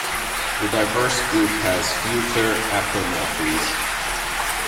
The diverse group has few clear apomorphies.